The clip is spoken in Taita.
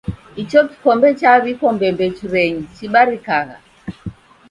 Icho kikombe chaw'ikwa mbembechurenyi chibarikagha!